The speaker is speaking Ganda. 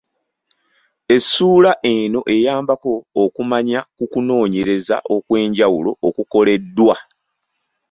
Essuula eno eyambako okumanya ku kunoonyereza okw’enjawulo okukoleddwa.